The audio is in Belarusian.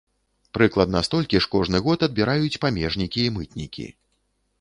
Прыкладна столькі ж кожны год адбіраюць памежнікі і мытнікі.